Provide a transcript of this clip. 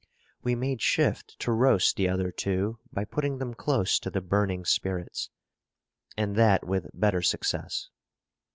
We made shift to roast the other two, by putting them close to the burning spirits; and that with better success.